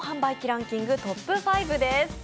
ランキングトップ５です